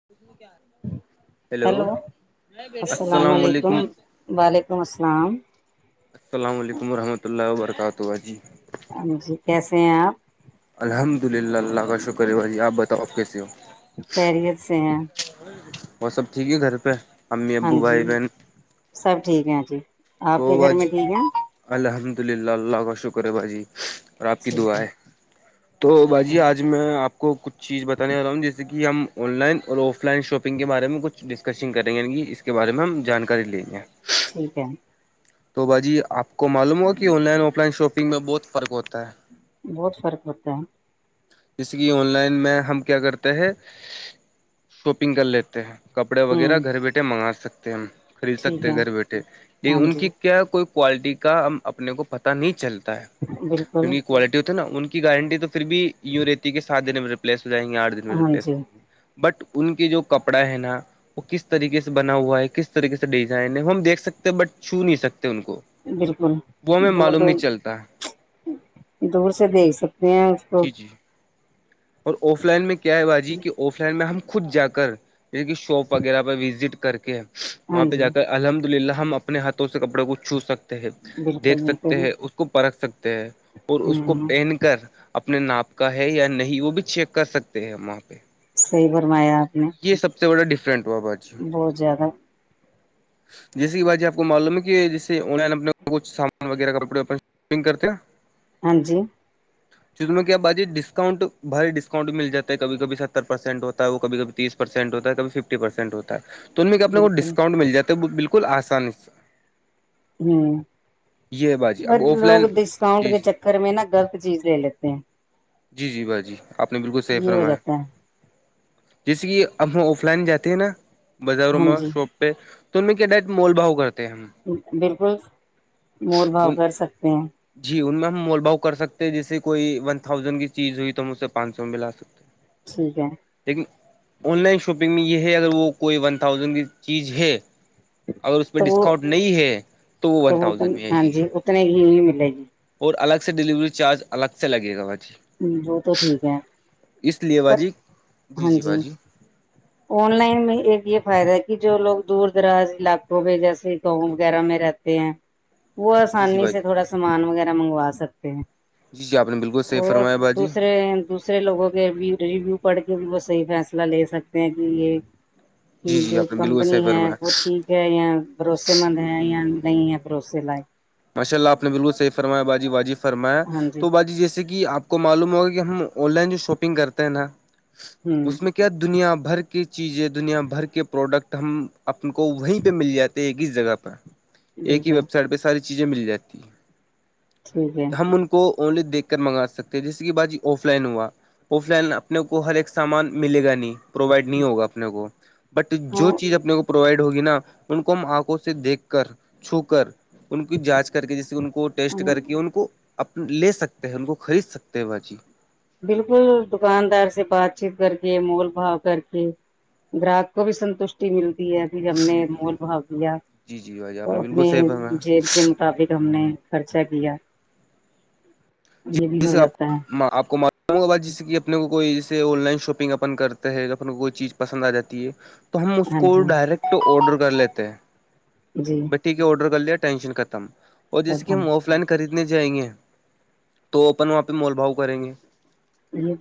[inaudible] hello السلام علیکم وعلیکم السلام السلام علیکم ورحمۃ اللہ وبرکاتہ جی جی کیسے ہیں آپ الحمد للہ اللہ کا شکر ہے بای آپ بتاؤ آپ کیسے ہو خیریت سے ہیں وہ سب ٹھیک ہے گھر پہ امی ہاں ابو جی بھائی بہن سب ٹھیک ہیں جی تو آپ آج [unintelligible] [inaudible] الحمد للہ اللہ کا شکر باجی اور آپ کی دع ہے تو ٹھیک ہے ٹھیک ہے باجی آج میں آپ کو کچھ چیز بتانے جا ہوں جیسے کہ [unintelligible] ہم آن لائن اور آف لائن شاپنگ کے بارے میں کچھ ڈسکشنگ کریں گےی اس کے بارے میں ہم جانکاری لیں گے [unintelligible] تو بھاجی آپ کو معلوم ہوا کہ online offline shopping میں بہت فرق ہوتا ہے بہت فرق پتا ہے جیس کہ آن لائن میں ہم کیا کرتے ہیں شاپنگ کر لیتے ہیں کپڑے وغیرہ ہوں گھر بیٹھے منگا سکتے ہیں خرید ٹھیک سکتے ہیں ہے گھر بیٹھے لیک ہاں ان جی کی کیا کوئی کوالٹی کا ہم اپنے کو پتا نہیں چلتا ہے بالکل جن کی کوالٹی ہوتی ہے نا ان کی کی گارنٹی تو پھر بھی یوں رہتی ہے کہ سات دن میں ریپللیس ہو جائیں گےٹھ دن میں ہاں ریپلیس جی ہو جیں گے [unintelligible] بٹ ان کے جو کپڑا ہے نا وہ کس طریقے سے بنا ہوا ہے کس طریقے سے ڈیزائن ہے وہ ہم دیکھ سکتے ہیں بٹ چھو نہیں سکتے ان کو بالکل وہ ہمیں دورد معلوم نہیں چلتا دور سے دیکھ سکتے ہیں اس کو جی جی اور آف لائن میں کیا ہے باجی کہ آف لائن میں ہم خود جا کر جیسے کہ شاپ وغیرہ پہ وزٹ کر کے ہاں وہاں پہ جی جا کر الحمد للہ ہم اپنے ہاتھوں سے کپڑوں کو چھو سکتے ہیں بالکل دیکھ سکتے بالکل ہیں اس کو پرکھ سکتے ہیں اور اس کو ہوں پہن کے کر اپنے ناپ کا ہے یا نہیں وہ بھی چیک کر سکتے ہیں وہاں پہ صحیح فرمایا آپ نے یہ سب سے بڑا ڈفرینٹ ہوا ب [unintelligible] بہت زیادہ جیسے کہ بات جی آپ کو معلوم ہے کہ جیسے آن لائن اپنے کچھ سامان وغیرہ ک [unintelligible] ہاں جی اس میں کیا بای ڈسکاؤنٹ باری ڈسکاؤنٹ مل جا ہے کبھی کب ستر پرسینٹ ہوتا وہ کب کبھییس پرسین ہو ہے کبھی ففٹی پرسینٹ ہوتا ہے تو ان میں کہ اپنا کو بالکل ڈسکانٹ مل جاتا تو بالکل آسانی ہوں یہ ہے باجی بس اب آف لائن لوگ ڈسکاؤنٹ جی کے جی چکر میں نا غلط چیز لے لیتے ہیں جی جی بھائی جی آپ نے بالکل سیف یہ ہو رمایا جاتا ہے جیسے کہ ہمب ہم آف لائن جاتے ہیں نا بازاروں ہاں میں جی شاپ پہ تو ان میں کیا ڈائ مول بھؤ کرتے ہیں ہم بالکل مور بھاؤ ان کر سکتے ہیں جی ان میں ہم مول بھؤ کر سکتے ہیں جیسے کوئی ون تھاؤزینڈ کی چیز ہوئی تو ہم اس سے پانچ سو میں ملا سک ٹھیک ہے لیکن آن لائن شاپنگ میں یہ ہے اگر وہ کوئی ون تھاؤزینڈ کی چیز ہے اگر اس پہ تو وہ ڈسکاؤنٹ نہیں ہے تو وہ ون تھاؤزینڈ میں آئے گی اتنے ہی نہیں ملے گی اور الگ سے ڈیلیوری چارج الگ سے لگے گا بھ جی ہ وہ تو ٹھیک ہے لیے پر باجی ہاں جی آن لائن میں ایک یہ فائدہ ہے کہ جو لوگ دور دراز علاقوں میں جیسے وغیرہ میں رہتے ہیں وہ جی جی آسانی سے باجی تھوڑا سامان وغیرہ منگوا سکتے ہیں جیپ نے بالکل صحیح اور فرمایا باجی دوسرے دوسرے لوگوں کے ریویو پڑھ کے بھی وہ صحیح فیصلہ لے سکتے ہیں کہ یہ جی جی جو آپ نے بالکل کمپنی صحیح ہے فرمایا وہ ٹھیک ہے یا بھروسے مند کروسے ل ماشاء اللہ آپ نے بالکل صح فرمایا باجی واجی فرایا ہاں جی تو باجی جیسے کہ آپ کو معلوم ہوگا کہ ہم آن لائن جو شاپنگ کرتے ہیں نا ہوں اس میں کیا دنیا بھر کی چیزیں دنیا بھر کے پروڈکٹ ہم اپ کو وہیں پہ مل جاتے ایک ہیس جگہ پر ایک ہی بالکل ویب سائٹ پہ ساری چیزیں مل جاتی ٹھیک ہے تو ہم ان کو کو اونلی دھ کر منگا سکتے ہیں جسے کہ با جی آف لائن ہوا آف لائن اپنے کو ہر ایک سامان ملے گا نہیں پرووائڈ نہیں ہوگا اپنے کو بٹ جو اور چیز اپنے کو پرووائڈ ہوگی نا ان کو ہم آنکھوں سے دیکھ کر چھو کر ان کی جانچ کر کے جیس ان کو ٹیسٹ کر کے ان کو اپ لے سکتے ہیں ان کو خرید سکتے ہیں باجی بالکل دکاندار سے بات چیت کر کے مول بھاؤ کر کے گراہک کو بھی سنتوشٹی ملتی ہے پ ہم نے مول بھاگ لیا جی جی باجی آپ نے تو بالکل صحیح فرمایا اپنےے کے مطابق ہم نے خرچہ کیا ج یہ بھی ہو جسےپ جاتا ہے آپ کو مار ل ب جیسے کہ اپنے کو کوئی جیسے آن لائن شاپنگ اپن کرتا ہے اپنے کو کوئی چیز پسند آ جاتی ہے تو ہم اس ہاں کو جی ڈائریکٹ آڈر کر لیتے ہیں جی ٹییک آرڈر کر لیا ٹینشن ختم اور جسے کہ ہم یہ آف لائن خریدنے جائیں گے تو اپن وہاں پہ مول بھاؤ کریں گے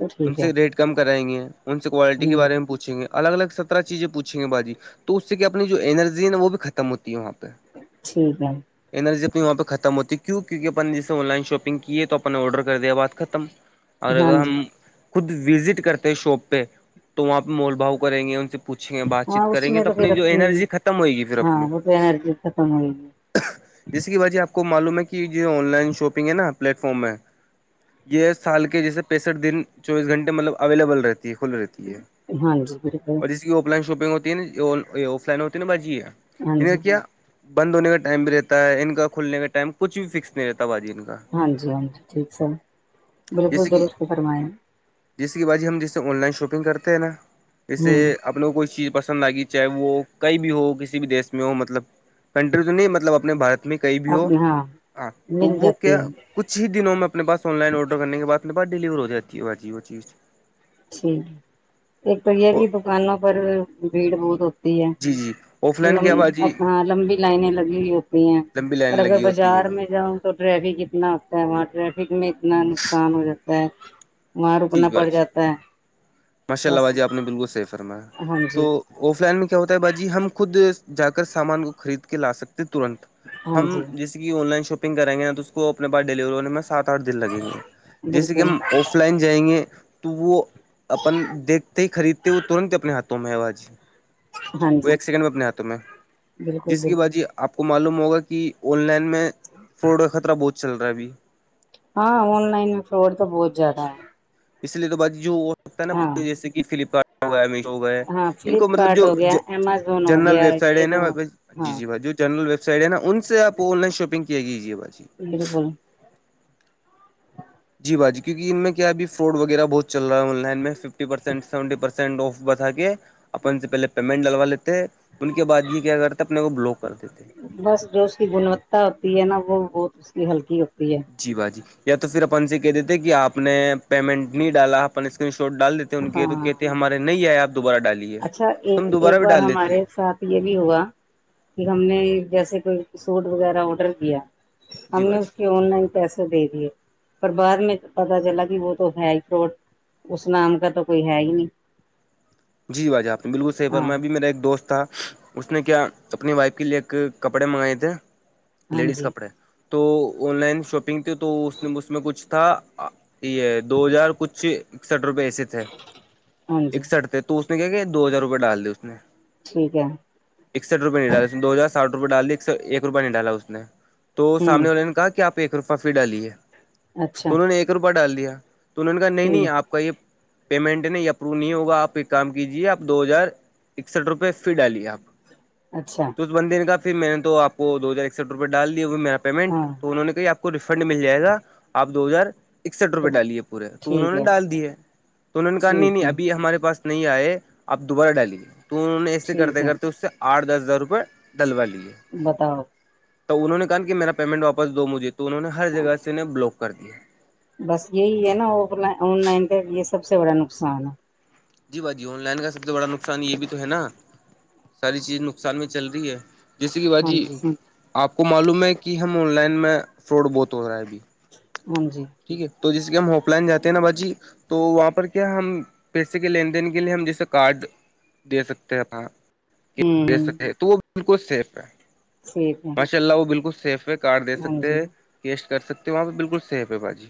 تو ان ٹھیک ہے سے ریٹ کم کرائیں گے ان سے کوالٹی ہ کے بارے میں پوچھ پچ گے الگ الگ سترہ چیزیں پوچھیں گے باجی تو اس سے کیا اپنی جو انینرجی ہےا وہ بھی ختم ہوتی ہے وہاں پہ ٹھیک ہے انرجی اپنی وہاں پہ ختم ہوتی ہے کیوں کیونکہ اپ نے جیس آن لائن شاپنگ کی ہے تو اپنا آرڈر کر دیا بعد ختم اور ہاں اگر ہم جی خود وزٹ کرتے ہیں شاپ پہ تو وہاں پہ مول بھاؤ کریں گے ان سے پوچھیں گے بات ہاں چیت اس کریں گے میں تو اپنی جو انینرجی ختم ہوئے گی پھر اپنے رجی ختم ہوئی ہے جس کی وجہ آپ کو معلوم ہے کہ یہ آن لائن شاپنگ ہے نا پلیٹ فارم میں یہ سال کے جیسے پینسٹھ دن چوبیس گھنٹے مطلب اویلیبل رہتی ہے کھل رہتی ہے ہاں جی بالکل اس کی آف لائن شاپنگ ہوتی ہے آف لائن ہوتی ہےا باج ہی ہے ہاں ان کا جی کیا بند ہونے کا ٹائم بھی رہتا ہے ان کا کھلنے کا ٹائم کچھ بھی فکس نہیں رہتا باجی ان کا ہاں جی ہاں جی ٹھیک سر بالکل جیسے کہ درست فرمائےیں ہیں جیسے کہ بجی ہم جیسے آن لائن شاپنگ کرتے ہیں نا جیسے ہوں اپ لو کو چیز پسند آگی چاہے وہ کوئی بھی ہو کسی بھی دیش میں میں ہو مطلب کنٹری تو نہیں مطلب اپنے بارت میں کہئی بھی ہو ہاں تو مل وہ جاتی کیا ہے کچھ ہی دنوں میں اپنے پاس آن لائن آرڈر کرنے کے بعد بعد ڈیلیور ہو دیتی ہے با جی وہ چیز ٹھیک ہے ایک تو یہ اور بھی دکانوں پر بھیڑ بھڑ ہوتی جی جی آف ل لائن کیا باجی اپنا لمبی لائنیں لگی ہوئی ہوتی ہیں لمبی لائن اور اگر لگی ہوتی ہے بازار میں جاؤ تو ٹریفک اتنا ہوتا ہے وہاں ٹریفک میں اتنا نقصان ہو جاتا ہے وہاں جی رکنا پڑ باجی جات ماشاء اللہ باجی آپ نے بالکل صحیح فرمایا ہاں تو جی آف لائن میں کیا ہوتا ہے باجی ہم خود جا کر سامان کو خرید کے لا سکتے ہیں ترنت ہاں ہم جی جس کی آن لائن شاپنگ کریں گے نا تو اس کو اپنے بعد ڈیلیور ہونے میںس سات آٹھ دن لگیں گے جیسے کہ بالکل ہم آف لائن جائیں گے تو وہ اپن دیکھتے ہی خریدتے وہ ترنت ہی اپنےاتھوں میں ہے باجی ہاں وہ جی ایک سیکنڈ میں اپنے ہاتھوں میں بالکل جس کی بالکل باازی آ آپ کو معلوم ہوگا کہ آن لائن میں فراڈ کا خطرہ بہت چل رہا ہے ابھی ہاں آن لائن میں فوڈ تو بہت زیادہ ہے اس لیے تو بج جوو اور ستا ہے نا ہاں جیسے کہ فلپکارٹ ہو گیا میشو ہو گئے ہاں ان کو مطلب فلپکارٹ جو ہو گیا امیزون ہو جنرل گیا ویب سائٹ ہے یہ ن جو جی ہاں جی بو جنرلیبائٹ ن ان سے آپ آن لائن شاپنگ کیےی با جی بالکل جی باجی کیک ان میں کیا ہےھی فرڈ وغیرہت چ رہا ہے آن لائن میں ففٹی پرسین سونٹیسین سینڈ آف بتا کے اپن سے پہلے پیمنٹ ڈلوا لیتے ان کے بعد یہ کیا کرتے اپنے کو بلاک کر دیتے بس جو اس کی گنوتا ہوتی ہے نا وہ بہت اس کی ہلکی ہوتی ہے جی بھ جی یا تو پھر اپن سے کہہ دیتے کہ آپ نے پیمنٹ نہیں ڈالا اپن اسکرین شاٹ ڈال دیتے ان کے تو ہاں کہتے ہمارے نہیں آئے آپ دوبارہ ڈال ڈالیے اچھا تو ایک ہم ایک دوبارہ بھی بار دیتے ہیں ہمارے ساتھ یہ بھی ہوا کہ ہم نے جیسے کوئی سوٹ وغیرہ آڈر کیا ہم جی نے باجی اس کی اون لائن پیسے دے دیے پر بعد میں پتتا چلا کہ وہ تو ہے ہی فروٹ اس نام کا تو کوئی ہے ہی نہیں جی واجح آپ نے بالکل صحیح پر ہاں میں ابھی میرا ایک دوست تھا اس نے کیا اپنی وائف کے لیے ایک کپڑے منگائے تھے ہاں لیڈیز جی کپڑے تو آن لائن شاپنگ تھی تو اس نے اس میں کچھ تھا یہ دو ہزار کچھ اکسٹھ روپئے ایسے تھے ہاں جی اکسٹھ تھے تو اس نے کیا کیا دو ہزار روپئے ڈال دی اس نے ٹھیک ہے اکٹھ روپئے نہیں ڈالا اس نے دو ہزار ساھ روپئے ڈال دی ایک ایک روپ نہیں ڈا اس نے تو ہوں سامنے والے نے کہا کہ آپ ایک روپہ فھر ڈالیے اچھا تو انہوں نے ایک روپہ ڈال دیا تو ان کا نہیں ٹھیک نہیں ہے آپ کا یہ پیمنٹ نہیں یہ اپروو نہیں ہوگا آپ ایک کام کیجیے آپ دو ہزار اکسٹھ روپئے فی ڈالیے آپ اچھا بند دن کا پھر میں نے توپ کو دو ہزار اکسٹھ روپئے ڈال دیا وہ میرا پیمنٹ ہاں تو انوں نے کہ آپ کو ریفنڈ مل جائے گا آپ دو ہزار اکسٹھ روپئے ڈالیے پورے تو انہوں ٹھیک نے ہے ڈال دیے تو انہوں نے کہا نہیں ٹھیک نہیں ہے ابھی ہمارے پاس نہیں آئے آپ دوبارہ ڈالیے تو انہوں نے ایے ٹھیک کرتے ہے کرتے اس سے آٹھ دس ہزار روپئے ڈلوا لیے بتاؤ تو انہوں نے کہا نا کہ میرا پیمنٹ واپس دو مجھے تو انہوں نے ہر جگہ سے انہیں بلاک کر دیا بس یہی ہے نا آف آن لائن کا یہ سب سے بڑا نقصان ہے جی بھ جی آن لائن کا سب سے بڑا نقصان یہ بھی تو ہے نا ساری چیزیں نقصان میں چل رہی ہے جیسے کہ ہاں بھاجی جی آپ کو معلوم ہے کہ ہم آن لائن میں فراڈ بہت ہو رہا ہے ابھی ہاں جی ٹھیک ہے تو جس کے ہم ہوپ لائن جے ہیں نا با جی تو وہاں پر کیا ہم پیسے کے لین دین کے لیے ہم جیسے کارڈ دے سکتے ہیںاں کہ لے ہوں سکے تو وہ بالکل سیف ہے ٹھیک ہے ان شاء اللہ وہ بالکل سیف ہے کار دے ہاں سکتے جی ہیں کیش کر سکتے ہیں وہاں پہ بالکل سیف باجی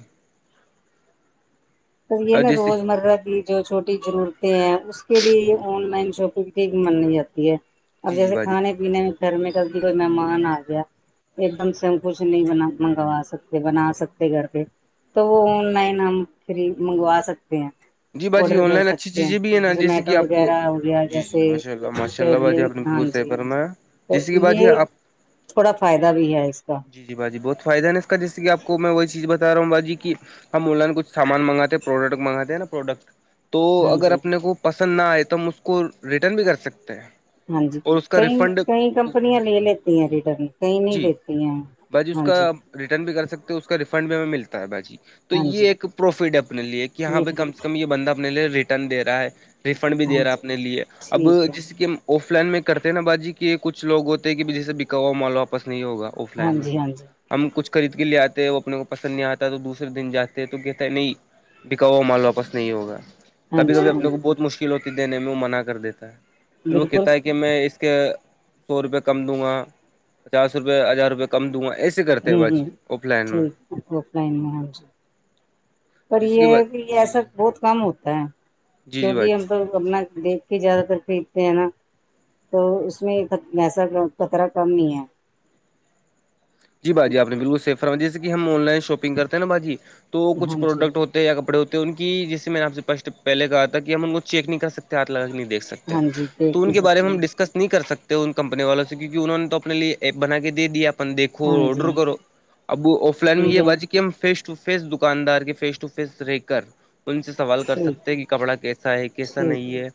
تو یہ اور نا جیسے روز مرہ کی جو چھوٹی ضرورتیں ہیں اس کے لیے آن لائن شاپنگ یک مانی جاتی ہے اب جی جی جیسے باجی کھانے پینے میں گھر میں کب بھی کوئی مہمان آ گیا ایک دم سے ہم کچھ نہیں بنا منگوا سکتے بنا سکتے گھر پہ تو وہ آن جی لائن ہم فری منگوا سکتے ہیں جی باجی آڈر آن کر لائن اچھی سکتے ہیں چیزیں بھی ہے نا جیسے زومیٹو کہ آپ کو وغیرہ ہو گیا جی جی جیسے ماشاء اللہ ماشاء اللہ باجی لگ آپ نے ہاں بالکل ج صحیح جی فرمایا تو جیسے کہ یہ باجی آپ تھوڑا فائدہ بھی ہے اس کا جی جی باجی بہت فائدہ ن اس کا جسے آپ کو میں وہی چیز بتا رہا ہوں باجی ہم آن لائن کچ سامان منگاتے پروڈکٹ منگاتے ہیں نا پروڈکٹ تو ہاں اگر جی اپنے کو پسند نہ آئے تو ہم اس کو ریٹرن بھی کر سکتے ہیں ہاں جی اور اس کا کئی ریفنڈ کئی کمپنیاں لے لیتی ہیں ریٹرن کئی نہیں جی لیتی ہیں باجی اس ہاں کا جی ریٹرن بھی کر سکتے ہو اس کا ریفنڈ بھی ہمیں ملتا ہے بھجی تو ہاں جی یہ ایک پروفٹ ہے اپنے لیے کہ یہاں یہ بھی کم سے کم بندہ اپنے لیے ریٹرن دے رہا ہے ریفنڈ بھی ہاں دے رہا ہے جی اپنے لیے اب ٹھیک ہے جس کہ آف لائن میں کرتے نا باجی کہ یہ کچھ لوگ ہوتے ہیں کہ بھ جیسے بکا ہوا مال واپس نہیں ہوگا آف لائن ہاں میں جی ہاں جی ہم کچھ خرید کے لے آتے ہیں وہ اپنے کو پسند نہیں آتا تو دوسرے دن جاتے ہیں تو کہتا ہے نہیں بکا وہ مل واپس نہیں ہوگا ہاں کبھی جی کبھی ہاں اپنے کو جی بہت مشکل ہوتی دینے میں وہ منع کر دیتا ہے پھر وہ بالکل کہتا ہے کہ میں اس کے سو روپئے کم دوں گا پچاس روپئے ہزار روپئے کم دوں گا اس ہ ہ ٹھیک آف لائن میں ہاں جی پر جس یہ کی ہے بات کہ جی ایسا جی بہت کم ہوتا ہے جی جی کیونکہ باجی ہم تو اپنا دیکھ کے زیاد تر خریدتے ہیں نا تو اس میں اییسا خطرہ کم نہیں ہے جی بھجی آپ نے بالکل سیف فرما جیے کہ ہم آن لائن شاپنگ کرتے نا بھجی تو کھ ہاں جی پروڈکٹ ہوتے یا کپڑے ہوتے ہیں ان کی جسے میں نے آپ سے فسٹ پہل کہا تھا کہ ہم ان کو چیک نہیں کر سکتے ہاتھ لگا کے نہیں دیکھ سکتے ہاں جی تو دیکھ ان نہیں کے بارے میں سکتے ہم ڈس نہیں کر سکتے ان کمپنی والوں سے کیونکہ انہوں نے تو اپنے لیے ایپ بنا کے دے دیا اپن دیکھ ہاں جی آڈر کرو اب آف لائن میں ٹھیک یہ ہے ب ہم فیس ٹو فیس دکاندار کے فیس ٹو فیس ریک کر ان سے سوال کر ٹھیک سکتے ہیں کہ کپڑا کیسا ہے کیسا نہیں ہے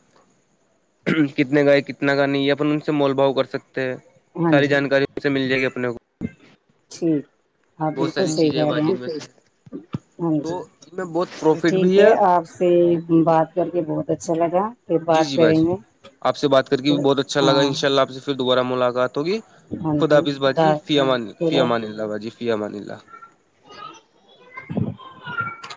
کتنے کا ہے کتنے کا نہیں ہے اپن ان سے مول بھؤ کر سکتے ہیں ہاں ساری جی جانکاری ان سے مل جائے گی اپنے کو ٹھیک ہاں بہت بالکل ساری صحیح چیزیں کہہ رہے باجی ہیں میں سے ہاں تو ان میں بہت جی پروفٹ ٹھیک بھی ہے آپ سے بات کر کے بہت اچھا لگا یہ جی بات جی کریں باجی گے آپ سے بات کر کے بھی بہت اچھا لگا ہاں ان شاء اللہ آ سے پھر دوبارہ ملاقات ہوگی ہاں خدا جی حافظ خدا بھاجی فی خدا امان اللہ بھاجی فی امان اللہ